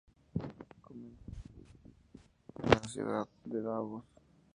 Comenzando en Baar y finalizando en la ciudad de Davos.